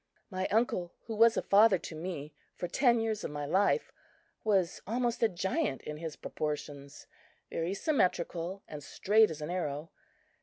My uncle, who was a father to me for ten years of my life, was almost a giant in his proportions, very symmetrical and "straight as an arrow."